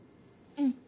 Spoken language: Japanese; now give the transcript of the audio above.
うん。